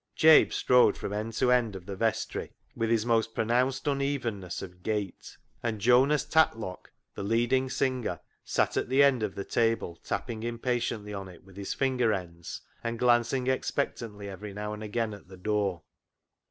Jabe strode from end to end of the vestry with BILLY BOTCH 41 his most pronounced unevenness of gait, and Jonas Tatlock the " leading singer " sat at the end of the table tapping impatiently on it with his finger ends, and glancing expectantly every now and again at the door.